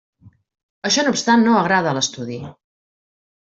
Això no obstant no agrada a l'estudi.